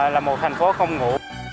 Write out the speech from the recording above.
là một thành phố không ngủ